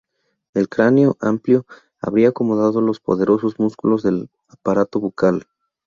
El cráneo amplio habría acomodado los poderosos músculos del aparato bucal.